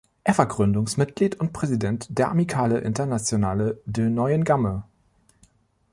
Er war Gründungsmitglied und Präsident der Amicale Internationale de Neuengamme.